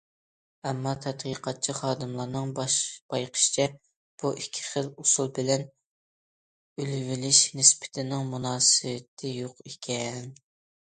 ئەمما تەتقىقاتچى خادىملارنىڭ بايقىشىچە، بۇ ئىككى خىل ئۇسۇل بىلەن ئۆلۈۋېلىش نىسبىتىنىڭ مۇناسىۋىتى يوق ئىكەن.